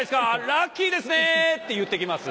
ラッキーですね！」って言ってきます。